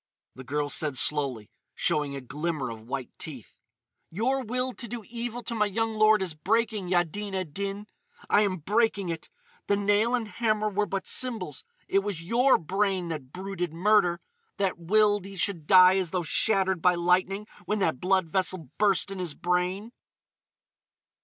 The girl said slowly, showing a glimmer of white teeth: "Your will to do evil to my young lord is breaking, Yaddin ed Din.... I am breaking it. The nail and hammer were but symbols. It was your brain that brooded murder—that willed he should die as though shattered by lightning when that blood vessel burst in his brain!"